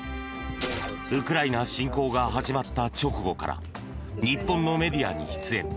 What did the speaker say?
ウクライナ侵攻が始まった直後から日本のメディアに出演。